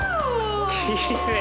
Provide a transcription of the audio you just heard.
きれい！